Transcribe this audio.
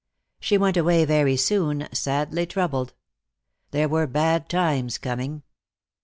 She went away very soon, sadly troubled. There were bad times coming.